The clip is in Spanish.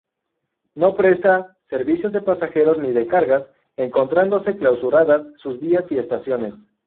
No presta servicios de pasajeros ni de cargas, encontrándose clausuradas sus vías y estaciones.